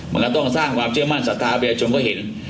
มันก็ต้องสร้างความเชื่อมั่นสัตว์ภาพยาชนก็เห็น